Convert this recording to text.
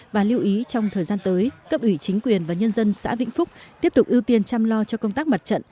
và lưu ý trong thời gian tới cấp ủy chính quyền và nhân dân xã vĩnh phúc tiếp tục ưu tiên chăm lo cho công tác mặt trận